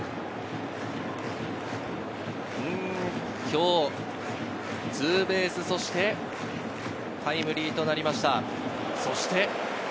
今日、ツーベースそしてタイムリーとなりました。